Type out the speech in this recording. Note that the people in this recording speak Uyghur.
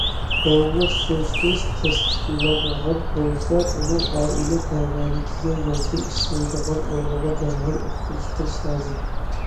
داۋاملىق سۈرۈشتۈرۈش تەستىقلانغان بولسا، ئۇنىڭ ئائىلە تەۋەلىرىگە ياكى ئىشلەيدىغان ئورنىغا دەرھال ئۇقتۇرۇش قىلىش لازىم.